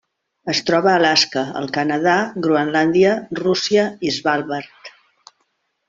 Es troba a Alaska, el Canadà, Groenlàndia, Rússia i Svalbard.